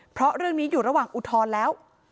เพราะเรื่องนี้อยู่ระหว่างอุทธรณ์แล้ว